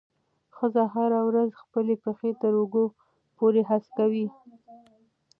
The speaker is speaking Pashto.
ښځه هره ورځ خپل پښې تر اوږو پورې هسکوي.